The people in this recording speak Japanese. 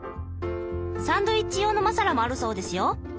サンドイッチ用のマサラもあるそうですよ。